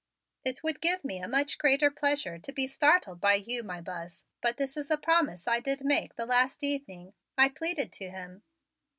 "It would give me a much greater pleasure to be startled by you, my Buzz, but this is a promise I did make the last evening," I pleaded to him.